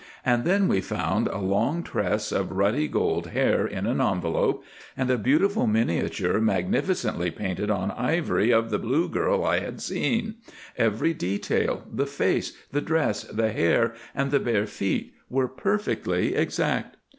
And then we found a long tress of ruddy gold hair in an envelope and a beautiful miniature magnificently painted on ivory of the blue girl I had seen—every detail, the face, the dress, the hair, and the bare feet, were perfectly exact.